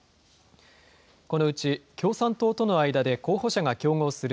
このうち共産党との間で候補者が競合する